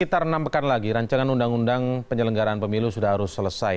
sekitar enam pekan lagi rancangan undang undang penyelenggaraan pemilu sudah harus selesai